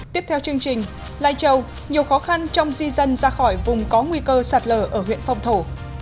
tiếp theo chương trình lai châu nhiều khó khăn trong di dân ra khỏi vùng có nguy cơ sạt lở ở huyện phong thổ